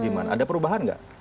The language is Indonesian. gimana ada perubahan gak